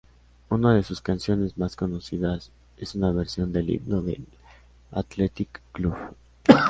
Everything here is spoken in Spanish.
Una de sus canciones más conocidas es una versión del himno del Athletic Club.